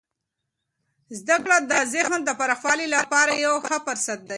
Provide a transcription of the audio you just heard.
زده کړه د ذهن د پراخوالي لپاره یو ښه فرصت دی.